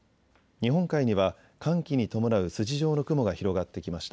日本海には寒気に伴う筋状の雲が広がってきました。